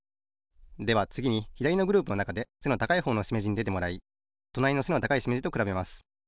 ではつぎにひだりのグループのなかで背の高いほうのしめじにでてもらいとなりの背の高いしめじとくらべます。